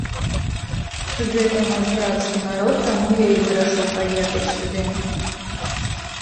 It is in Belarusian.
Гэта наш брацкі народ, таму я і вырашыў паехаць сюды.